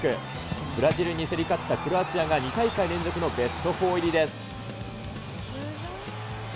ブラジルに競り勝ったクロアチアが２大会連続のベスト４入りです。